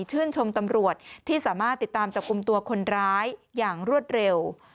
ชื่นชมตำรวจที่สามารถติดตามจับกลุ่มตัวคนร้ายอย่างรวดเร็ว